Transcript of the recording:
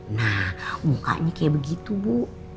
nah mukanya kayak begitu bu